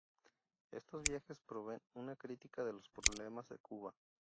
Estos viajes proveen una crítica de los problemas de Cuba.